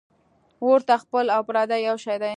ـ اور ته خپل او پردي یو شی دی .